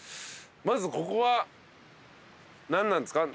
まずここは何なんですか？